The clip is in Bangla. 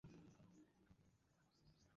তাই তার দিকে মিটিমিটি তাকিয়ে বলল, শোন উমাইর!